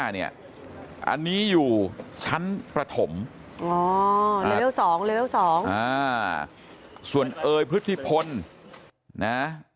๖๕เนี่ยอันนี้อยู่ชั้นปฐมอ๋อเร็ว๒เร็ว๒อ่าส่วนเอยพฤทธิพลนะ